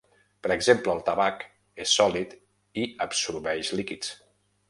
Per exemple el tabac és sòlid i absorbeix líquids.